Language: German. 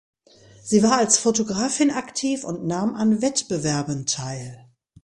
Sie war als Fotografin aktiv und nahm an Wettbewerben teil.